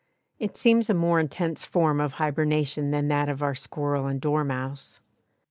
It seems a more intense form of hibernation than that of our squirrel and dormouse.